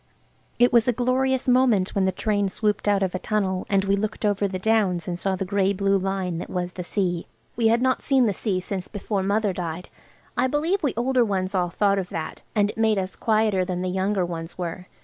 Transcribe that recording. It was a glorious moment when the train swooped out of a tunnel and we looked over the downs and saw the grey blue line that was the sea. We had not seen the sea since before Mother died. I believe we older ones all thought of that, and it made us quieter than the younger ones were.